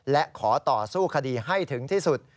และขอต่อสู้คดีให้ถึงที่สุด